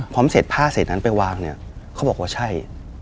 เสร็จผ้าเสร็จนั้นไปวางเนี่ยเขาบอกว่าใช่